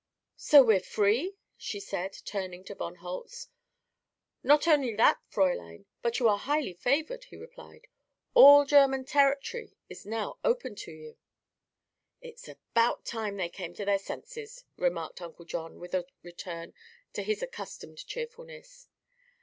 "So we're free?" she said, turning to von Holtz. "Not only that, Fraulein, but you are highly favored," he replied. "All German territory is now open to you." "It's about time they came to their senses," remarked Uncle John, with a return to his accustomed cheerfulness.